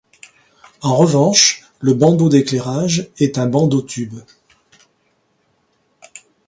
En revanche, le bandeau d'éclairage est un bandeau-tube.